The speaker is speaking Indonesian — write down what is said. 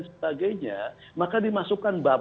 sebagainya maka dimasukkan